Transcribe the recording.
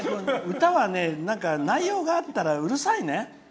歌はね、内容があったらうるさいね。